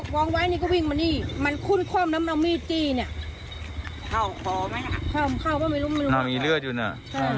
คอนี่ทำงานกระชากออกไปเลยเหรอ